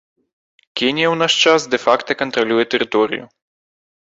Кенія ў наш час дэ-факта кантралюе тэрыторыю.